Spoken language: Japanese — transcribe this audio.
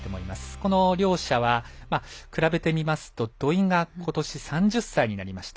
この両者は比べてみますと土居がことし３０歳になりました。